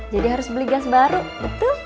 jadi harus beli gas baru betul